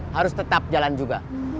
harus tetap jalan juga